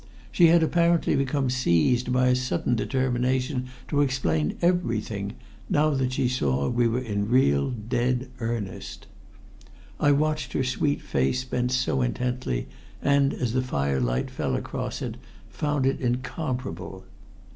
She had apparently become seized by a sudden determination to explain everything, now that she saw we were in real, dead earnest. I watched her sweet face bent so intently, and as the firelight fell across it found it incomparable.